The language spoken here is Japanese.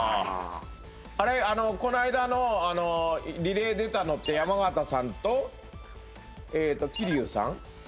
あれこの間のリレー出たのって山縣さんと桐生さん？